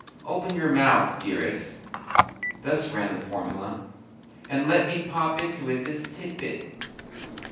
"Open your mouth, dearest" thus ran the formula "and let me pop into it this titbit."